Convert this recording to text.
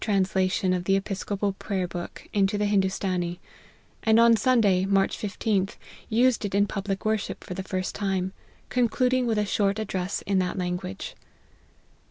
93 translation of the Episcopal Prayer book into the Hindoostanee ; and on Sunday, March 15th, used it in public worship for the first time, concluding with a short address in that language.